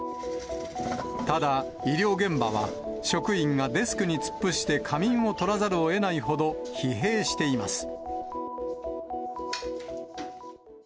ただ、医療現場は職員がデスクに突っ伏して仮眠をとらざるをえないほど、疲弊しています。